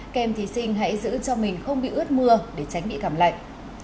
kèm thí sinh hãy giữ cho mình không bị ướt mưa để tránh bị cảm lạnh